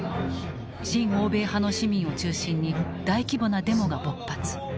親欧米派の市民を中心に大規模なデモが勃発。